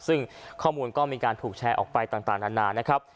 ซึ่งข้อมูลก็มีการถูกแชร์ออกไปต่างนานานะครับ